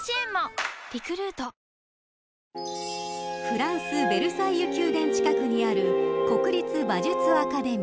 ［フランスヴェルサイユ宮殿近くにある］